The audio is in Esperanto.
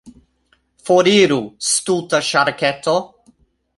Foriru, stulta ŝarketo!